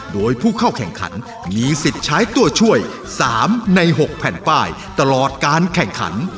โดยผู้เข้าแข่งขันมีสิทธิ์ใช้ตัวช่วย๓ใน๖แผ่นป้ายตลอดการแข่งขัน